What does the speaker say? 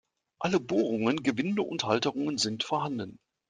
Alle Bohrungen, Gewinde und Halterungen sind vorhanden.